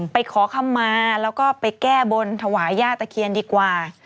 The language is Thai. ไปขอคำมาแล้วก็ไปแก้บนถวายย่าตะเคียนดีกว่า